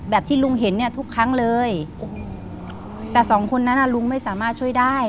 ที่ลุงเห็นเนี่ยทุกครั้งเลยแต่สองคนนั้นอ่ะลุงไม่สามารถช่วยได้